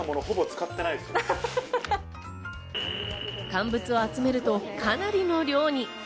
乾物を集めると、かなりの量に。